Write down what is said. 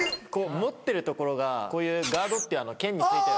持ってるところがこういうガードっていう剣に付いてる。